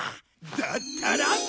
だったら！